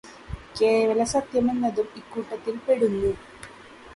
കേവല സത്യമെന്നതും ഇക്കൂട്ടത്തിൽപെടുന്നു.